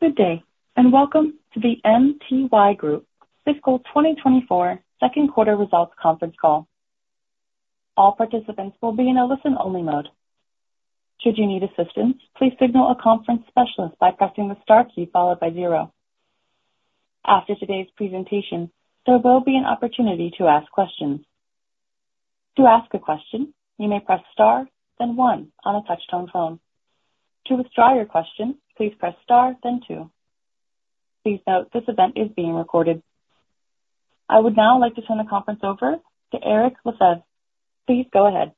Good day, and welcome to the MTY Group fiscal 2024 second quarter Results conference call. All participants will be in a listen-only mode. Should you need assistance, please signal a conference specialist by pressing the star key followed by zero. After today's presentation, there will be an opportunity to ask questions. To ask a question, you may press star, then one on a touch-tone phone. To withdraw your question, please press star, then Two. Please note, this event is being recorded. I would now like to turn the conference over to Eric Lefebvre. Please go ahead.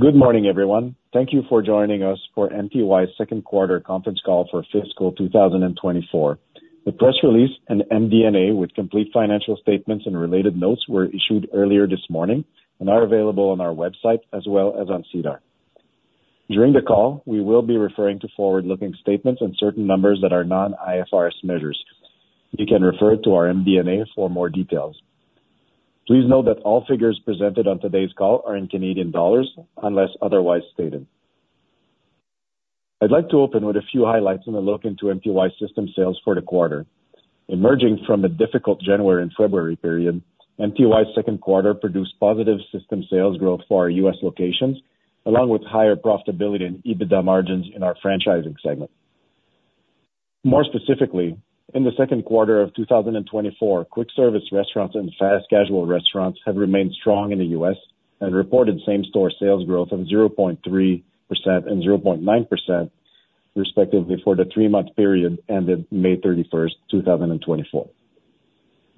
Good morning, everyone. Thank you for joining us for MTY's second quarter conference call for fiscal 2024. The press release and MD&A with complete financial statements and related notes were issued earlier this morning and are available on our website as well as on SEDAR. During the call, we will be referring to forward-looking statements and certain numbers that are non-IFRS measures. You can refer to our MD&A for more details. Please note that all figures presented on today's call are in Canadian dollars, unless otherwise stated. I'd like to open with a few highlights and a look into MTY system sales for the quarter. Emerging from a difficult January and February period, MTY's second quarter produced positive system sales growth for our U.S. locations, along with higher profitability and EBITDA margins in our franchising segment. More specifically, in the second quarter of 2024, quick service restaurants and fast casual restaurants have remained strong in the U.S. and reported same-store sales growth of 0.3% and 0.9%, respectively, for the three-month period ended May 31, 2024.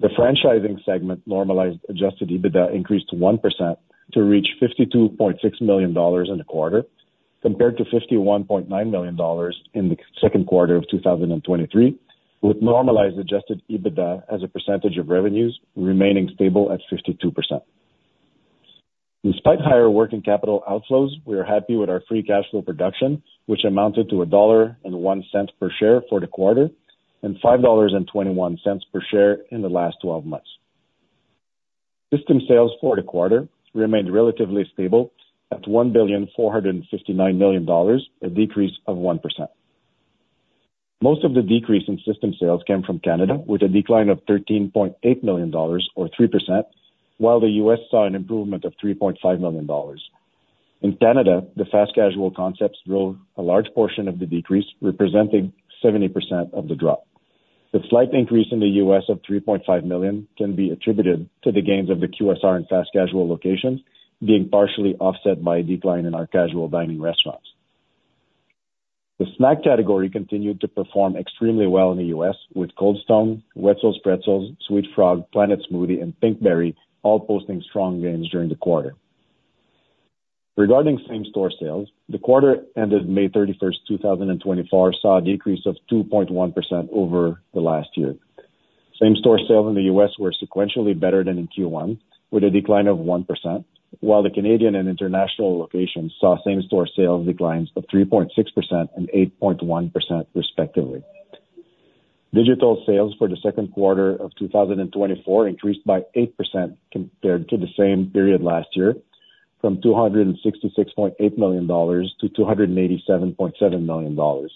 The franchising segment Normalized Adjusted EBITDA increased 1% to reach 52.6 million dollars in the quarter, compared to 51.9 million dollars in the second quarter of 2023, with Normalized Adjusted EBITDA as a percentage of revenues remaining stable at 52%. Despite higher working capital outflows, we are happy with our Free Cash Flow production, which amounted to 1.01 dollar per share for the quarter and 5.21 dollars per share in the last twelve months. System sales for the quarter remained relatively stable at 1,459 million dollars, a decrease of 1%. Most of the decrease in system sales came from Canada, with a decline of 13.8 million dollars or 3%, while the U.S. saw an improvement of 3.5 million dollars. In Canada, the fast casual concepts drove a large portion of the decrease, representing 70% of the drop. The slight increase in the U.S. of 3.5 million can be attributed to the gains of the QSR and fast casual locations being partially offset by a decline in our casual dining restaurants. The snack category continued to perform extremely well in the U.S., with Cold Stone, Wetzel's Pretzels, sweetFrog, Planet Smoothie, and Pinkberry all posting strong gains during the quarter. Regarding same-store sales, the quarter ended May 31, 2024, saw a decrease of 2.1% over the last year. Same-store sales in the U.S. were sequentially better than in Q1, with a decline of 1%, while the Canadian and international locations saw same-store sales declines of 3.6% and 8.1%, respectively. Digital sales for the second quarter of 2024 increased by 8% compared to the same period last year, from $266.8 million to $287.7 million.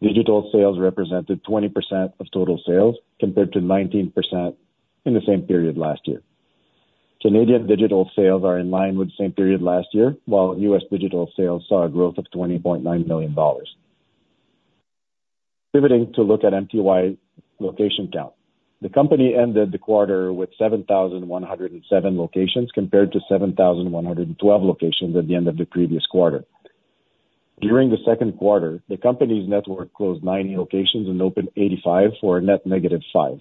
Digital sales represented 20% of total sales, compared to 19% in the same period last year. Canadian digital sales are in line with the same period last year, while U.S. digital sales saw a growth of $20.9 million. Pivoting to look at MTY location count. The company ended the quarter with 7,107 locations, compared to 7,112 locations at the end of the previous quarter. During the second quarter, the company's network closed 90 locations and opened 85 for a net -5.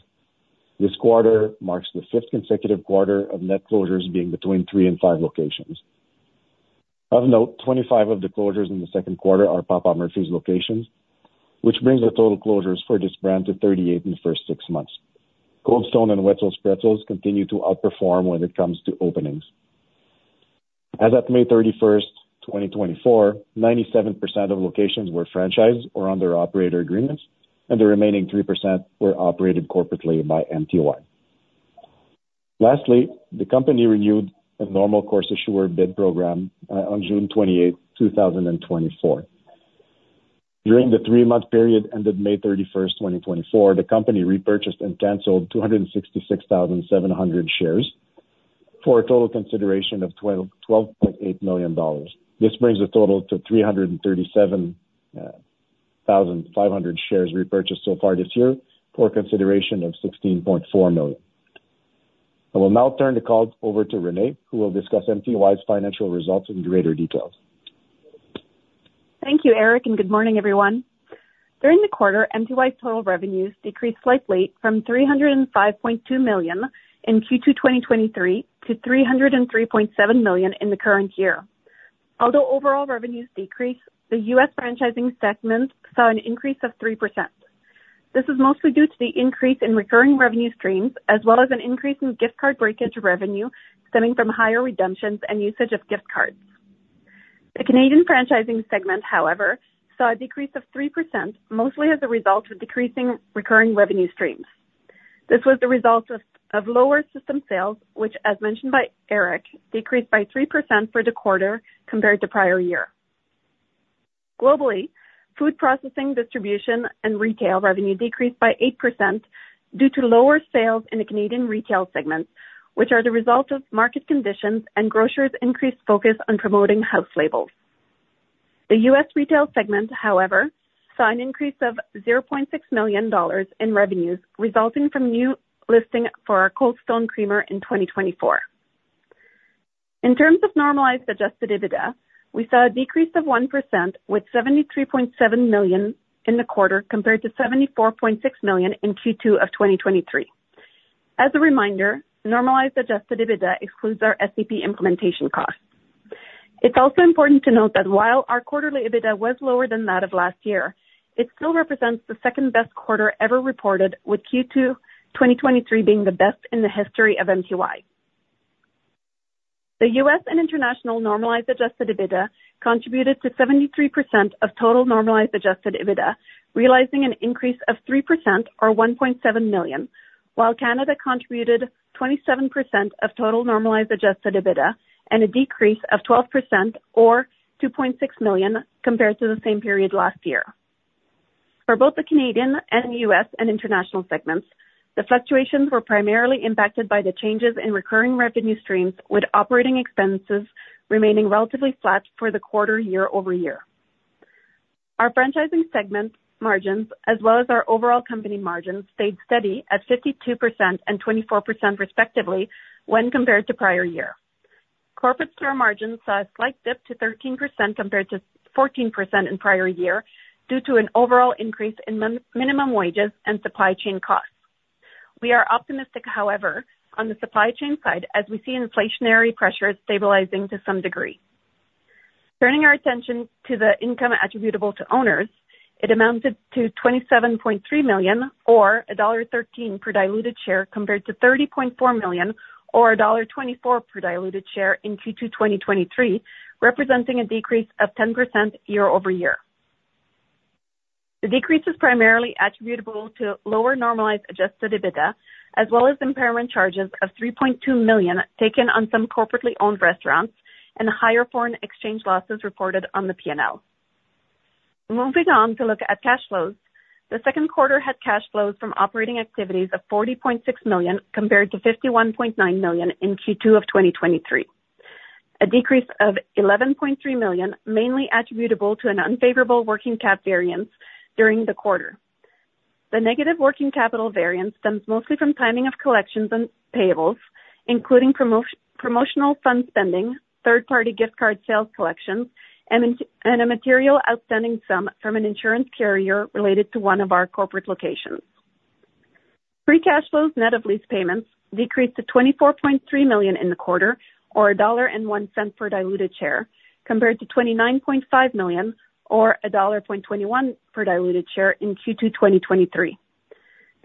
This quarter marks the fifth consecutive quarter of net closures being between three and five locations. Of note, 25 of the closures in the second quarter are Papa Murphy's locations, which brings the total closures for this brand to 38 in the first six months. Cold Stone and Wetzel's Pretzels continue to outperform when it comes to openings. As of May 31, 2024, 97% of locations were franchised or under operator agreements, and the remaining 3% were operated corporately by MTY. Lastly, the company renewed a normal course issuer bid program on June 28, 2024. During the three-month period ended May 31, 2024, the company repurchased and canceled 266,700 shares for a total consideration of 12.8 million dollars. This brings the total to 337,500 shares repurchased so far this year, for consideration of CAD 16.4 million. I will now turn the call over to Renée, who will discuss MTY's financial results in greater detail. Thank you, Eric, and good morning, everyone. During the quarter, MTY's total revenues decreased slightly from 305.2 million in Q2 2023 to 303.7 million in the current year. Although overall revenues decreased, the U.S. franchising segment saw an increase of 3%. This is mostly due to the increase in recurring revenue streams, as well as an increase in gift card breakage revenue stemming from higher redemptions and usage of gift cards. The Canadian franchising segment, however, saw a decrease of 3%, mostly as a result of decreasing recurring revenue streams. This was the result of lower system sales, which, as mentioned by Eric, decreased by 3% for the quarter compared to prior year. Globally, food processing, distribution, and retail revenue decreased by 8% due to lower sales in the Canadian retail segment, which are the result of market conditions and grocers' increased focus on promoting house labels. The U.S. retail segment, however, saw an increase of 0.6 million dollars in revenues, resulting from new listing for our Cold Stone Creamery in 2024. In terms of normalized adjusted EBITDA, we saw a decrease of 1% with 73.7 million in the quarter, compared to 74.6 million in Q2 of 2023. As a reminder, normalized adjusted EBITDA excludes our SAP implementation costs. It's also important to note that while our quarterly EBITDA was lower than that of last year, it still represents the second-best quarter ever reported, with Q2 2023 being the best in the history of MTY. The US and international normalized adjusted EBITDA contributed to 73% of total normalized adjusted EBITDA, realizing an increase of 3% or 1.7 million, while Canada contributed 27% of total normalized adjusted EBITDA and a decrease of 12% or 2.6 million compared to the same period last year. For both the Canadian and US and international segments, the fluctuations were primarily impacted by the changes in recurring revenue streams, with operating expenses remaining relatively flat for the quarter year-over-year. Our franchising segment margins, as well as our overall company margins, stayed steady at 52% and 24% respectively, when compared to prior year. Corporate store margins saw a slight dip to 13% compared to 14% in prior year, due to an overall increase in minimum wages and supply chain costs. We are optimistic, however, on the supply chain side, as we see inflationary pressures stabilizing to some degree. Turning our attention to the income attributable to owners, it amounted to 27.3 million, or dollar 1.13 per diluted share, compared to 30.4 million, or dollar 1.24 per diluted share in Q2 2023, representing a decrease of 10% year-over-year. The decrease is primarily attributable to lower normalized Adjusted EBITDA, as well as impairment charges of 3.2 million taken on some corporately owned restaurants and higher foreign exchange losses reported on the P&L. Moving on to look at cash flows. The second quarter had cash flows from operating activities of 40.6 million compared to 51.9 million in Q2 of 2023. A decrease of 11.3 million, mainly attributable to an unfavorable working cap variance during the quarter. The negative working capital variance stems mostly from timing of collections and payables, including promotional fund spending, third-party gift card sales collections, and a material outstanding sum from an insurance carrier related to one of our corporate locations. Free Cash Flow, net of lease payments, decreased to 24.3 million in the quarter, or 1.01 dollar per diluted share, compared to 29.5 million or 1.21 dollar per diluted share in Q2 2023.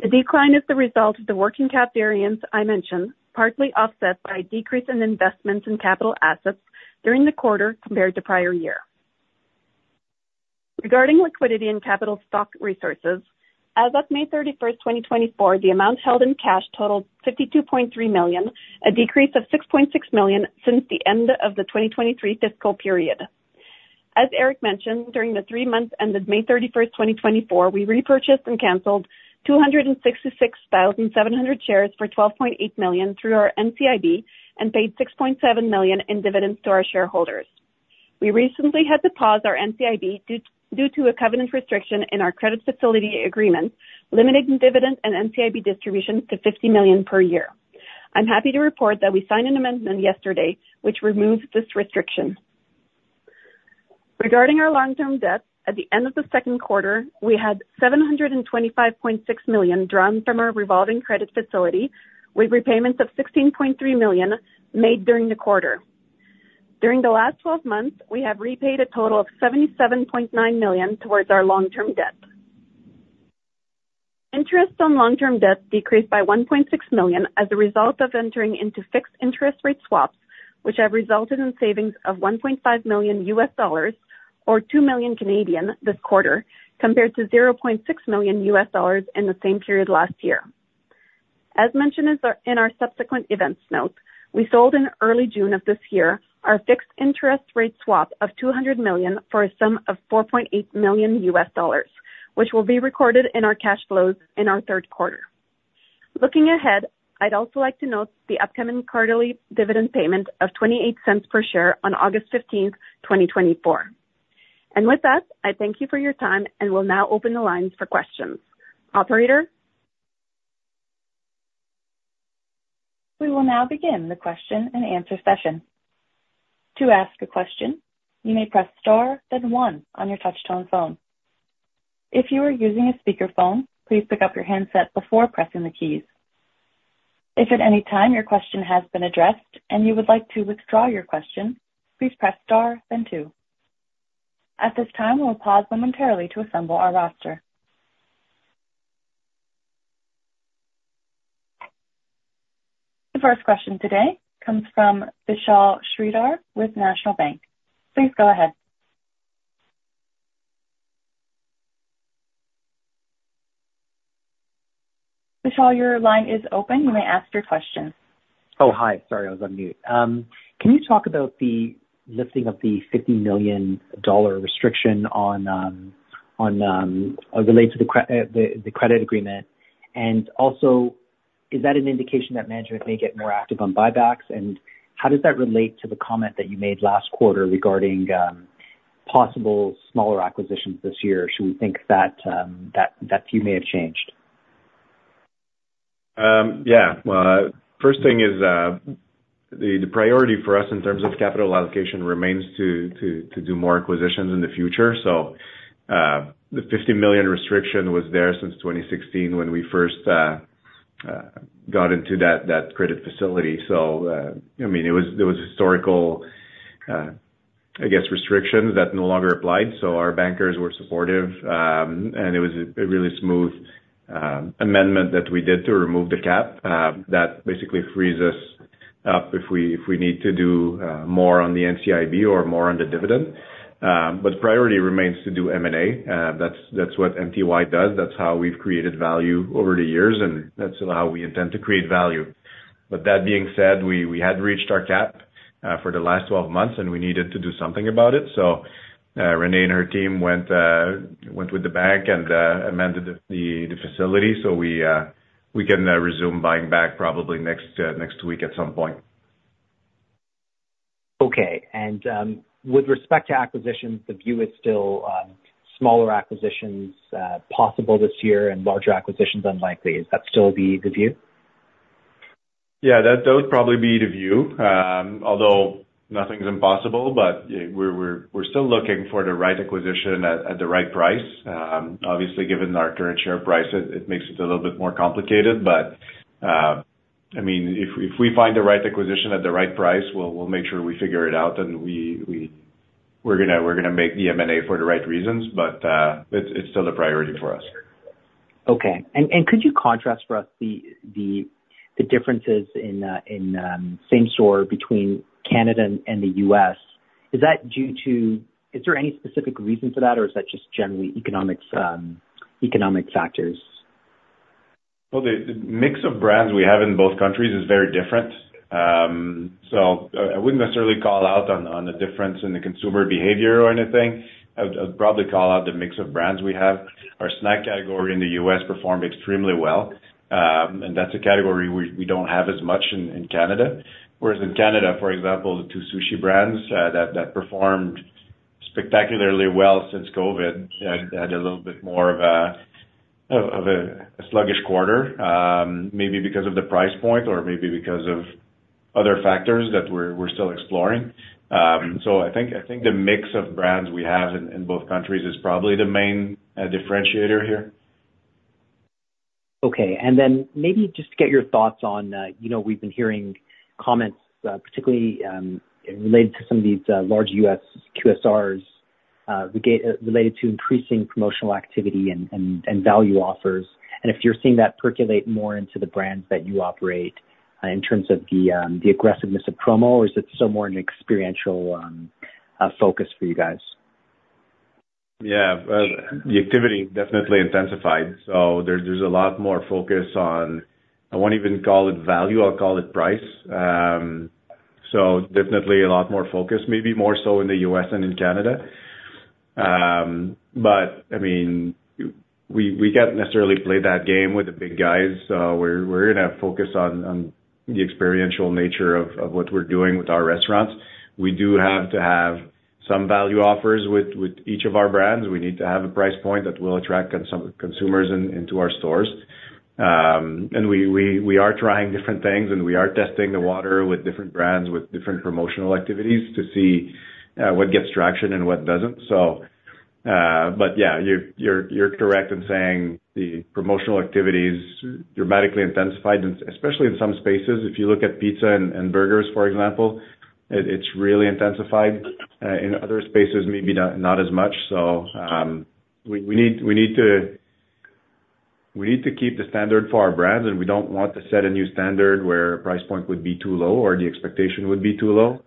The decline is the result of the working cap variance I mentioned, partly offset by a decrease in investments in capital assets during the quarter compared to prior year. Regarding liquidity and capital stock resources, as of May 31, 2024, the amount held in cash totaled 52.3 million, a decrease of 6.6 million since the end of the 2023 fiscal period. As Eric mentioned, during the three months ended May 31, 2024, we repurchased and canceled 266,700 shares for 12.8 million through our NCIB and paid 6.7 million in dividends to our shareholders. We recently had to pause our NCIB due to a covenant restriction in our credit facility agreement, limiting dividend and NCIB distributions to CAD 50 million per year. I'm happy to report that we signed an amendment yesterday which removes this restriction. Regarding our long-term debt, at the end of the second quarter, we had 725.6 million drawn from our revolving credit facility, with repayments of 16.3 million made during the quarter. During the last 12 months, we have repaid a total of 77.9 million towards our long-term debt. Interest on long-term debt decreased by 1.6 million as a result of entering into fixed interest rate swaps, which have resulted in savings of $1.5 million or 2 million Canadian dollars this quarter, compared to $0.6 million in the same period last year. As mentioned in our subsequent events note, we sold in early June of this year our fixed interest rate swap of 200 million for a sum of $4.8 million, which will be recorded in our cash flows in our third quarter. Looking ahead, I'd also like to note the upcoming quarterly dividend payment of 0.28 per share on August 15th, 2024. And with that, I thank you for your time and will now open the lines for questions. Operator? We will now begin the question and answer session. To ask a question, you may press star, then one on your touchtone phone. If you are using a speakerphone, please pick up your handset before pressing the keys. If at any time your question has been addressed and you would like to withdraw your question, please press star then two. At this time, we'll pause momentarily to assemble our roster. The first question today comes from Vishal Shreedhar with National Bank. Please go ahead. Vishal, your line is open. You may ask your question. Oh, hi. Sorry, I was on mute. Can you talk about the lifting of the 50 million dollar restriction on, on, related to the credit agreement? And also, is that an indication that management may get more active on buybacks? And how does that relate to the comment that you made last quarter regarding possible smaller acquisitions this year? Should we think that view may have changed? Yeah. Well, first thing is, the priority for us in terms of capital allocation remains to do more acquisitions in the future. So, the 50 million restriction was there since 2016, when we first got into that credit facility. So, I mean, there was historical, I guess, restrictions that no longer applied. So our bankers were supportive, and it was a really smooth amendment that we did to remove the cap, that basically frees us up if we need to do more on the NCIB or more on the dividend. But priority remains to do M&A. That's what MTY does. That's how we've created value over the years, and that's how we intend to create value. But that being said, we had reached our cap for the last 12 months, and we needed to do something about it. So, Renée and her team went with the bank and amended the facility. So we can resume buying back probably next week at some point. Okay. And, with respect to acquisitions, the view is still, smaller acquisitions, possible this year and larger acquisitions unlikely. Is that still the, the view? Yeah, that would probably be the view. Although nothing's impossible, but we're still looking for the right acquisition at the right price. Obviously, given our current share price, it makes it a little bit more complicated. But I mean, if we find the right acquisition at the right price, we'll make sure we figure it out, and we're gonna make the M&A for the right reasons, but it's still a priority for us. Okay. And could you contrast for us the differences in same store between Canada and the U.S.? Is that due to... Is there any specific reason for that, or is that just generally economics, economic factors? Well, the mix of brands we have in both countries is very different. So, I wouldn't necessarily call out on the difference in the consumer behavior or anything. I would, I'd probably call out the mix of brands we have. Our snack category in the U.S. performed extremely well, and that's a category we don't have as much in Canada. Whereas in Canada, for example, the two sushi brands that performed spectacularly well since COVID had a little bit more of a sluggish quarter, maybe because of the price point or maybe because of other factors that we're still exploring. So I think the mix of brands we have in both countries is probably the main differentiator here. Okay. Then maybe just to get your thoughts on, you know, we've been hearing comments, particularly, related to some of these large U.S. QSRs, related to increasing promotional activity and value offers. If you're seeing that percolate more into the brands that you operate, in terms of the aggressiveness of promo, or is it still more an experiential focus for you guys? Yeah. The activity definitely intensified, so there's a lot more focus on, I won't even call it value, I'll call it price. So definitely a lot more focus, maybe more so in the U.S. than in Canada. But I mean, we can't necessarily play that game with the big guys, we're gonna focus on the experiential nature of what we're doing with our restaurants. We do have to have some value offers with each of our brands. We need to have a price point that will attract consumers into our stores. And we are trying different things, and we are testing the water with different brands, with different promotional activities to see what gets traction and what doesn't. Yeah, you're correct in saying the promotional activities dramatically intensified, and especially in some spaces, if you look at pizza and burgers, for example, it's really intensified. In other spaces, maybe not as much. We need to keep the standard for our brands, and we don't want to set a new standard where price point would be too low or the expectation would be too low.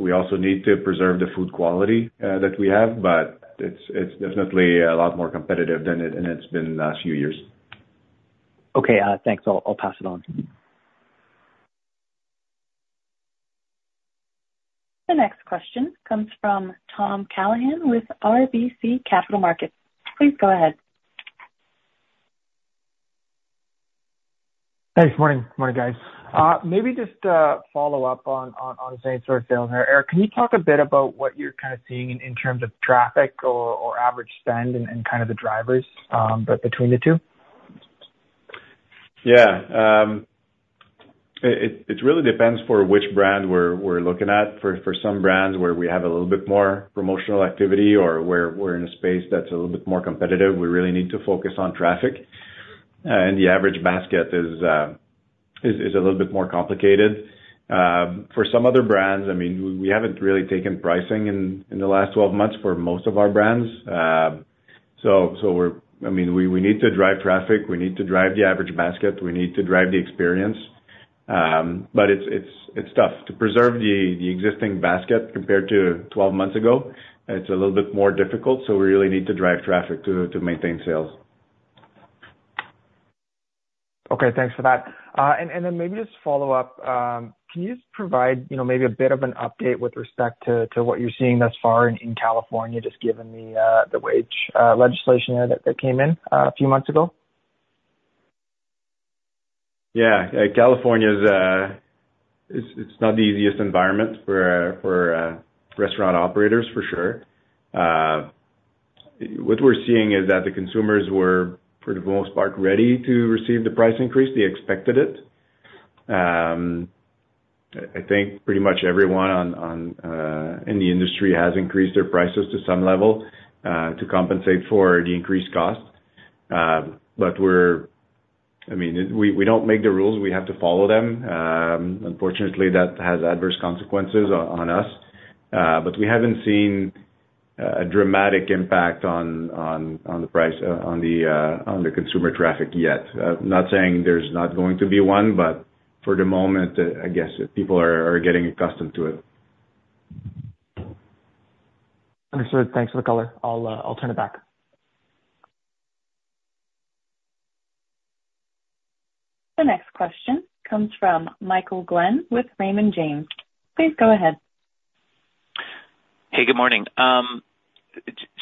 We also need to preserve the food quality that we have, but it's definitely a lot more competitive than it's been the last few years. Okay, thanks. I'll pass it on. The next question comes from Tom Callahan with RBC Capital Markets. Please go ahead. Thanks. Morning. Morning, guys. Maybe just follow up on same-store sales here. Eric, can you talk a bit about what you're kind of seeing in terms of traffic or average spend and kind of the drivers between the two? Yeah, it really depends for which brand we're looking at. For some brands where we have a little bit more promotional activity or where we're in a space that's a little bit more competitive, we really need to focus on traffic, and the average basket is a little bit more complicated. For some other brands, I mean, we haven't really taken pricing in the last 12 months for most of our brands. So we're-- I mean, we need to drive traffic, we need to drive the average basket, we need to drive the experience. But it's tough. To preserve the existing basket compared to 12 months ago, it's a little bit more difficult, so we really need to drive traffic to maintain sales. Okay, thanks for that. And then maybe just follow up, can you just provide, you know, maybe a bit of an update with respect to what you're seeing thus far in California, just given the wage legislation there that came in a few months ago? Yeah. California is, it's not the easiest environment for restaurant operators, for sure. What we're seeing is that the consumers were, for the most part, ready to receive the price increase. They expected it. I think pretty much everyone in the industry has increased their prices to some level to compensate for the increased cost. But we're—I mean, we don't make the rules, we have to follow them. Unfortunately, that has adverse consequences on us. But we haven't seen a dramatic impact on the price on the consumer traffic yet. Not saying there's not going to be one, but for the moment, I guess people are getting accustomed to it. Understood. Thanks for the color. I'll, I'll turn it back. The next question comes from Michael Glen, with Raymond James. Please go ahead. Hey, good morning.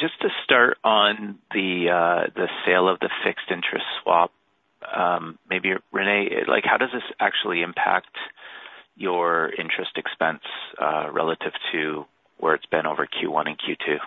Just to start on the sale of the fixed interest swap, maybe Renée, like, how does this actually impact your interest expense relative to where it's been over Q1 and Q2?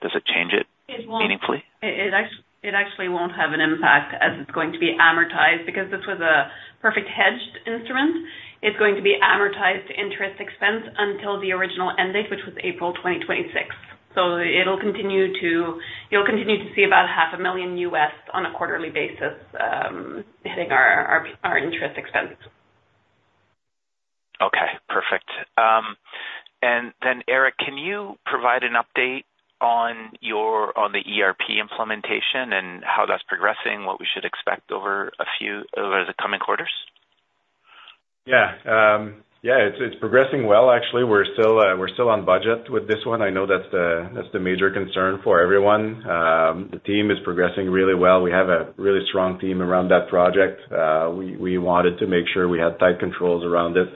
Does it change it- It won't... meaningfully? It actually won't have an impact, as it's going to be amortized. Because this was a perfect hedged instrument, it's going to be amortized interest expense until the original end date, which was April 2026. So it'll continue to—you'll continue to see about $500,000 on a quarterly basis, hitting our interest expense. Okay, perfect. And then, Eric, can you provide an update on the ERP implementation and how that's progressing, what we should expect over the coming quarters? Yeah. Yeah, it's, it's progressing well, actually. We're still, we're still on budget with this one. I know that's the, that's the major concern for everyone. The team is progressing really well. We have a really strong team around that project. We, we wanted to make sure we had tight controls around it,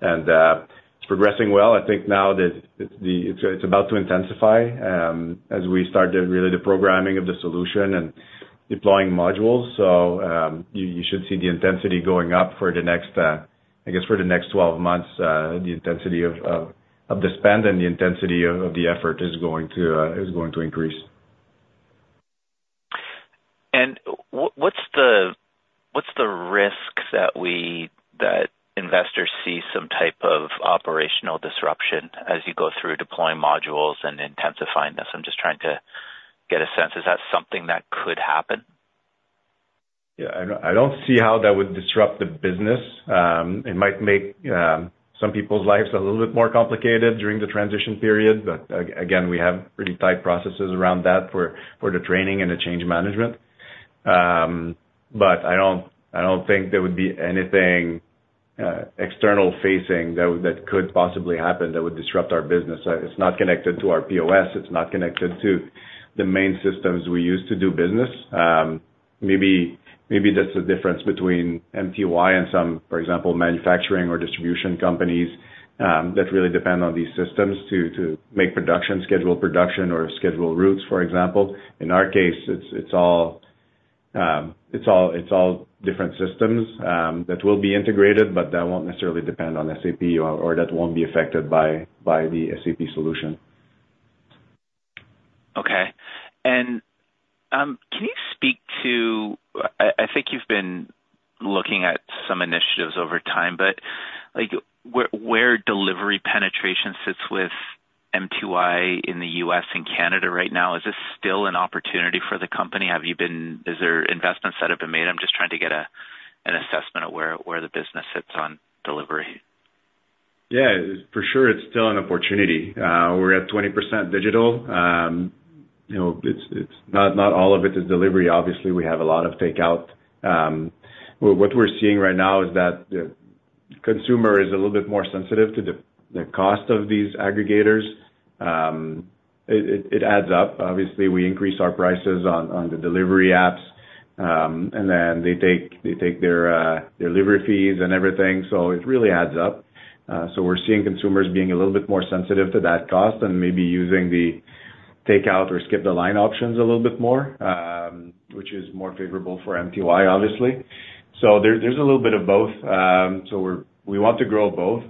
and, it's progressing well. I think now that the—it's, it's about to intensify, as we start the, really, the programming of the solution and deploying modules. So, you, you should see the intensity going up for the next, I guess, for the next 12 months, the intensity of, of, of the spend and the intensity of, of the effort is going to, is going to increase. What's the risks that investors see some type of operational disruption as you go through deploying modules and intensifying this? I'm just trying to get a sense. Is that something that could happen? Yeah, I don't, I don't see how that would disrupt the business. It might make some people's lives a little bit more complicated during the transition period, but again, we have pretty tight processes around that for the training and the change management. But I don't, I don't think there would be anything external facing that could possibly happen that would disrupt our business. It's not connected to our POS, it's not connected to the main systems we use to do business. Maybe that's the difference between MTY and some, for example, manufacturing or distribution companies that really depend on these systems to make production, schedule production, or schedule routes, for example. In our case, it's all different systems that will be integrated, but that won't necessarily depend on SAP or that won't be affected by the SAP solution. Okay. And, can you speak to... I think you've been looking at some initiatives over time, but, like, where delivery penetration sits with MTY in the U.S. and Canada right now, is this still an opportunity for the company? Have you been? Is there investments that have been made? I'm just trying to get an assessment of where the business sits on delivery. Yeah, for sure it's still an opportunity. We're at 20% digital. You know, it's not all of it is delivery. Obviously, we have a lot of takeout. What we're seeing right now is that the consumer is a little bit more sensitive to the cost of these aggregators. It adds up. Obviously, we increase our prices on the delivery apps, and then they take their delivery fees and everything, so it really adds up. So we're seeing consumers being a little bit more sensitive to that cost and maybe using the takeout or skip-the-line options a little bit more, which is more favorable for MTY, obviously. So there's a little bit of both. So we want to grow both,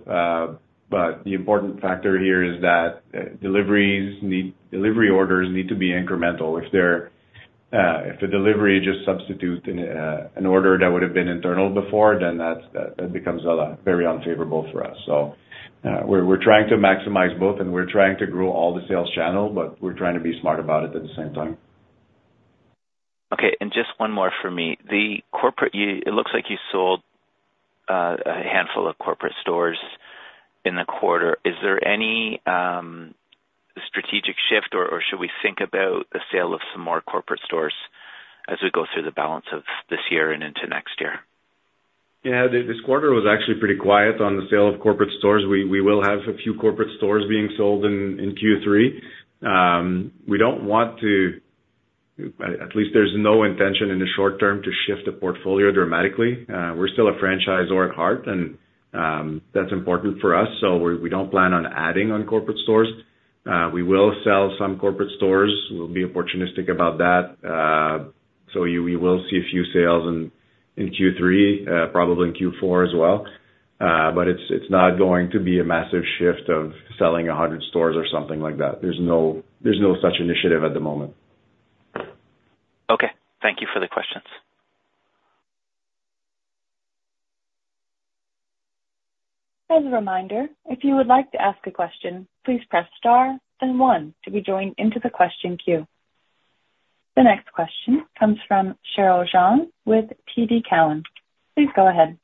but the important factor here is that delivery orders need to be incremental. If the delivery just substitutes an order that would have been internal before, then that becomes very unfavorable for us. So we're trying to maximize both, and we're trying to grow all the sales channel, but we're trying to be smart about it at the same time. Okay, and just one more for me. The corporate, you—it looks like you sold a handful of corporate stores in the quarter. Is there any strategic shift, or should we think about the sale of some more corporate stores as we go through the balance of this year and into next year? Yeah, this quarter was actually pretty quiet on the sale of corporate stores. We will have a few corporate stores being sold in Q3. We don't want to, at least there's no intention in the short term to shift the portfolio dramatically. We're still a franchisor at heart, and that's important for us, so we don't plan on adding on corporate stores. We will sell some corporate stores. We'll be opportunistic about that. So you will see a few sales in Q3, probably in Q4 as well. But it's not going to be a massive shift of selling 100 stores or something like that. There's no such initiative at the moment. Okay. Thank you for the questions. As a reminder, if you would like to ask a question, please press star then one to be joined into the question queue. The next question comes from Cheryl Xiong with TD Cowen. Please go ahead.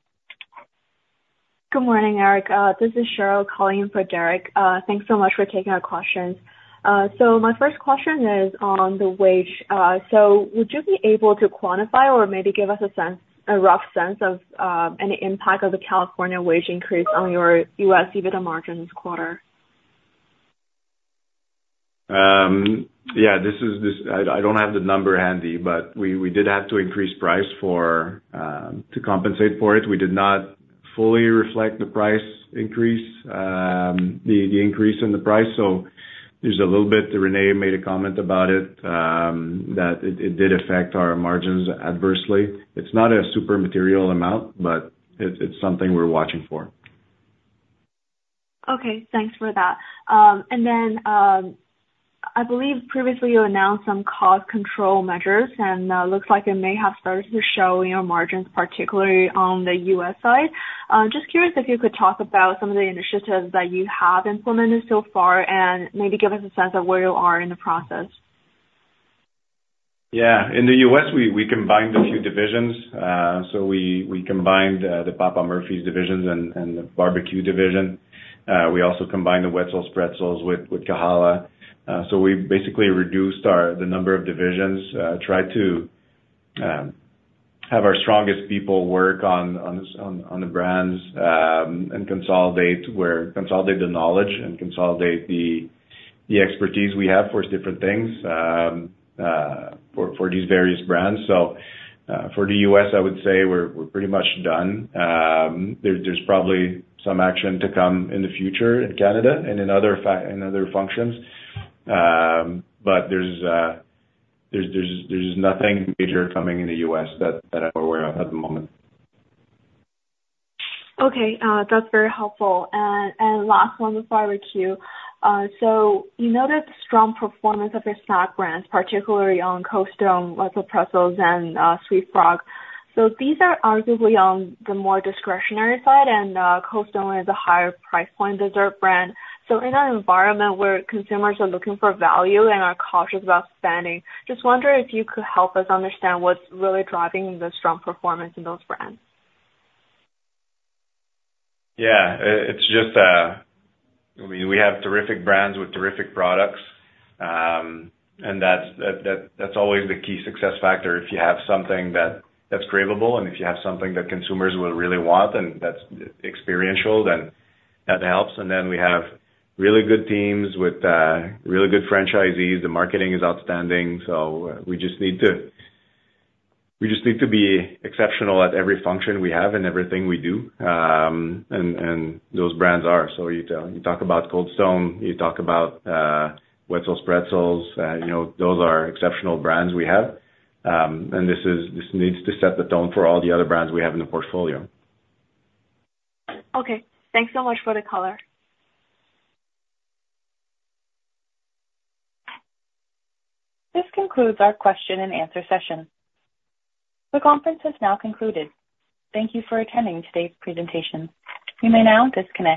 Good morning, Eric. This is Cheryl calling in for Derek. Thanks so much for taking our questions. So my first question is on the wage. So would you be able to quantify or maybe give us a sense, a rough sense of, any impact of the California wage increase on your U.S. EBITDA margin this quarter? Yeah, I don't have the number handy, but we did have to increase price for to compensate for it. We did not fully reflect the price increase, the increase in the price, so there's a little bit. Renee made a comment about it, that it did affect our margins adversely. It's not a super material amount, but it's something we're watching for. Okay, thanks for that. And then, I believe previously you announced some cost control measures, and looks like it may have started to show in your margins, particularly on the U.S. side. Just curious if you could talk about some of the initiatives that you have implemented so far, and maybe give us a sense of where you are in the process. Yeah. In the U.S., we combined a few divisions. So we combined the Papa Murphy's divisions and the barbecue division. We also combined the Wetzel's Pretzels with Kahala. So we basically reduced the number of divisions, tried to have our strongest people work on the brands, and consolidate the knowledge and the expertise we have towards different things for these various brands. So, for the U.S., I would say we're pretty much done. There's probably some action to come in the future in Canada and in other functions. But there's nothing major coming in the U.S. that I'm aware of at the moment. Okay, that's very helpful. And, and last one, the barbecue. So you noted the strong performance of your snack brands, particularly on Cold Stone, Wetzel's Pretzels, and, sweetFrog. So these are arguably on the more discretionary side, and, Cold Stone is a higher price point dessert brand. So in an environment where consumers are looking for value and are cautious about spending, just wonder if you could help us understand what's really driving the strong performance in those brands? Yeah. It's just we have terrific brands with terrific products, and that's always the key success factor. If you have something that's craveable, and if you have something that consumers will really want and that's experiential, then that helps. And then we have really good teams with really good franchisees. The marketing is outstanding, so we just need to be exceptional at every function we have and everything we do. And those brands are, so you talk about Cold Stone, you talk about Wetzel's Pretzels, you know, those are exceptional brands we have. And this needs to set the tone for all the other brands we have in the portfolio. Okay. Thanks so much for the color. This concludes our question and answer session. The conference has now concluded. Thank you for attending today's presentation. You may now disconnect.